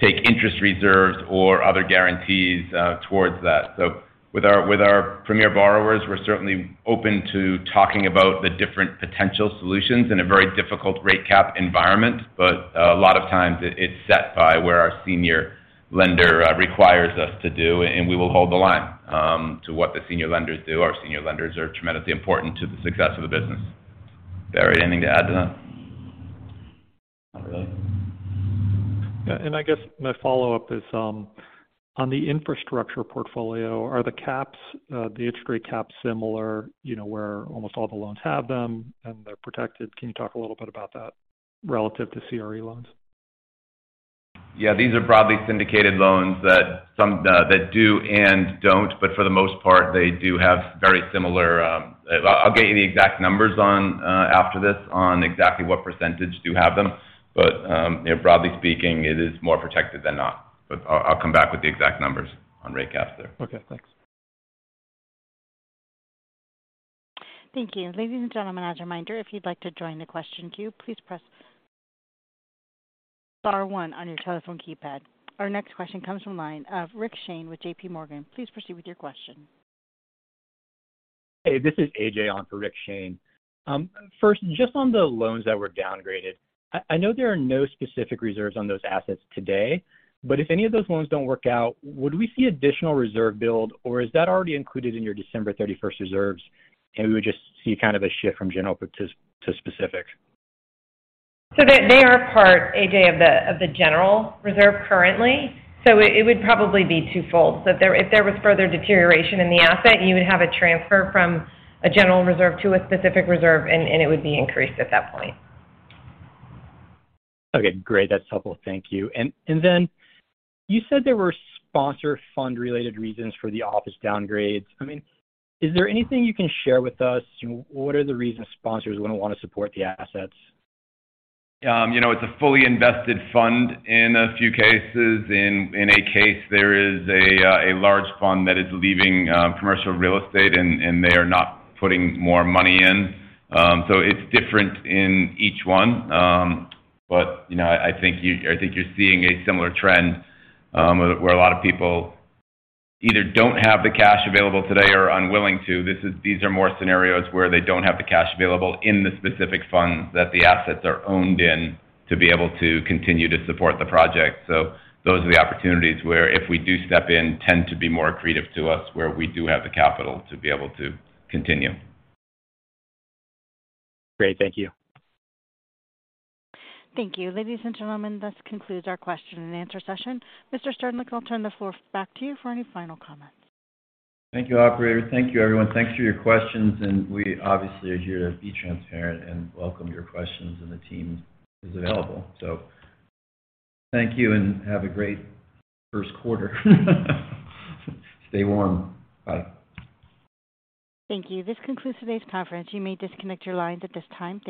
take interest reserves or other guarantees towards that. With our, with our premier borrowers, we're certainly open to talking about the different potential solutions in a very difficult rate cap environment. A lot of times it's set by where our senior lender requires us to do, and we will hold the line to what the senior lenders do. Our senior lenders are tremendously important to the success of the business. Barry, anything to add to that? Not really. Yeah. I guess my follow-up is, on the infrastructure portfolio, are the caps, the interest rate caps similar, you know, where almost all the loans have them and they're protected? Can you talk a little bit about that relative to CRE loans? These are broadly syndicated loans that some that do and don't, but for the most part, they do have very similar, I'll get you the exact numbers on after this on exactly what percentage do have them. You know, broadly speaking, it is more protected than not. I'll come back with the exact numbers on rate caps there. Okay. Thanks. Thank you. Ladies and gentlemen, as a reminder, if you'd like to join the question queue, please press star one on your telephone keypad. Our next question comes from line of Richard Shane with J.P. Morgan. Please proceed with your question. Hey, this is AJ on for Richard Shane. First, just on the loans that were downgraded, I know there are no specific reserves on those assets today, but if any of those loans don't work out, would we see additional reserve build, or is that already included in your December 31st reserves, and we would just see kind of a shift from general to specific? They are part, AJ, of the general reserve currently. It would probably be twofold. If there was further deterioration in the asset, you would have a transfer from a general reserve to a specific reserve, and it would be increased at that point. Okay, great. That's helpful. Thank you. You said there were sponsor fund related reasons for the office downgrades. I mean, is there anything you can share with us? What are the reasons sponsors wouldn't wanna support the assets? You know, it's a fully invested fund in a few cases. In a case, there is a large fund that is leaving commercial real estate, and they are not putting more money in. It's different in each one. You know, I think you're seeing a similar trend, where a lot of people either don't have the cash available today or are unwilling to. These are more scenarios where they don't have the cash available in the specific funds that the assets are owned in to be able to continue to support the project. Those are the opportunities where if we do step in, tend to be more accretive to us, where we do have the capital to be able to continue. Great. Thank you. Thank you. Ladies and gentlemen, this concludes our question and answer session. Mr. Sternlicht, I'll turn the floor back to you for any final comments. Thank you, operator. Thank you, everyone. Thanks for your questions, and we obviously are here to be transparent and welcome your questions, and the team is available. Thank you and have a great first quarter. Stay warm. Bye. Thank you. This concludes today's conference. You may disconnect your lines at this time.